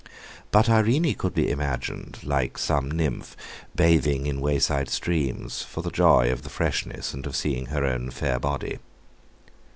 But Irene could be imagined, like some nymph, bathing in wayside streams, for the joy of the freshness and of seeing her own fair body.